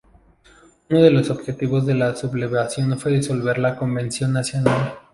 Uno de los objetivos de la sublevación fue disolver la Convención Nacional.